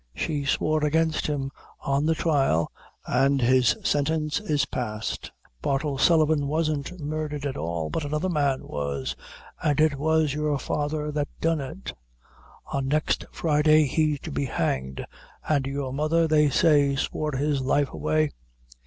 She swore against him on the thrial an' his sentence is passed. Bartle Sullivan wasn't murdhered at all, but another man was, an' it was your father that done it. On next Friday he's to be hanged, an' your mother, they say, swore his life away!